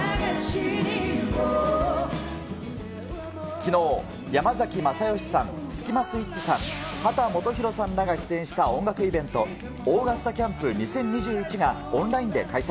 きのう、山崎まさよしさん、スキマスイッチさん、秦基博さんらが出演した音楽イベント、オーガスタキャンプ２０２１がオンラインで開催。